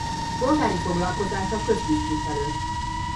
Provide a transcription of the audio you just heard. Polgári foglalkozása köztisztviselő.